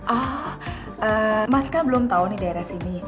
ah mas kan belum tahu daerah sini